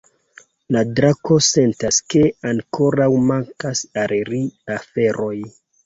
La drako sentas, ke ankoraŭ mankas al ri aferoj.